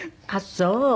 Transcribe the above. あっそう。